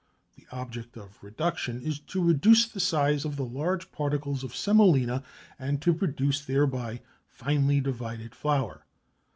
The object of reduction is to reduce the size of the large particles of semolina and to produce thereby finely divided flour.